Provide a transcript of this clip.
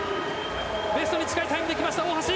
ベストに近いタイムできました、大橋。